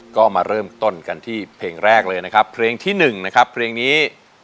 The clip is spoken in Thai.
ก็มาเริ่มต้นกันที่เพลงแรกเลยนะครับเพลงที่๑นะครับเพลงนี้